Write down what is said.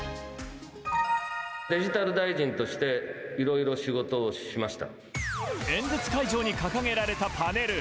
デジタル大臣として、いろい演説会場に掲げられたパネル。